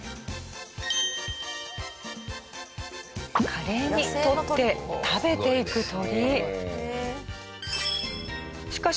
華麗に取って食べていく鳥。